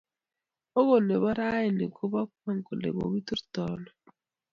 okot ne bo raini ko bo kwong kole kokiturto ano